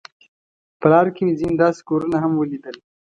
په لار کې مې ځینې داسې کورونه هم ولیدل.